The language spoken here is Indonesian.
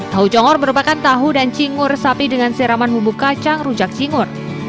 tahu congor merupakan tahu dan cinggur sapi dengan seraman bumbu kacang rujak cinggur